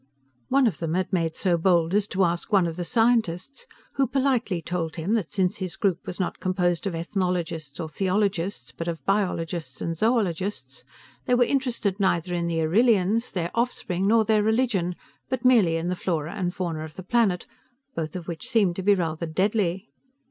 One of them had made so bold as to ask one of the scientists who politely told him that since his group was not composed of ethnologists or theologists, but of biologists and zoologists, they were interested neither in the Arrillians, their offspring nor their religion, but merely in the flora and fauna of the planet, both of which seemed to be rather deadly.